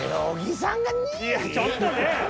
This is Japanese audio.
ちょっとね。